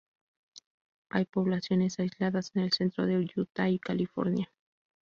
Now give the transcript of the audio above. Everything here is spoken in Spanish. Hay poblaciones aisladas en el centro de Utah y California.